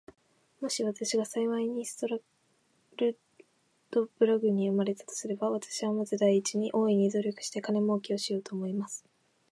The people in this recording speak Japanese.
もし私が幸いにストラルドブラグに生れたとすれば、私はまず第一に、大いに努力して金もうけをしようと思います。